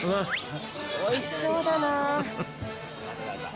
おいしそうだな。